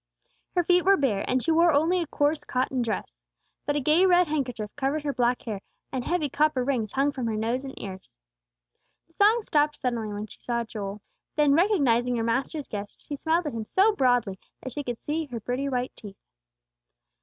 Her feet were bare, and she wore only a coarse cotton dress. But a gay red handkerchief covered her black hair, and heavy copper rings hung from her nose and ears. The song stopped suddenly as she saw Joel. Then recognizing her master's guest, she smiled at him so broadly that he could see her pretty white teeth.